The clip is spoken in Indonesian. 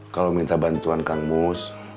kalau minta bantuan kang mus